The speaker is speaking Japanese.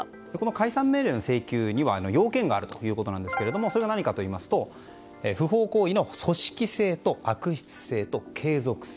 解散命令の請求には要件があるということなんですがそれが何かといいますと不法行為の組織性と悪質性と継続性。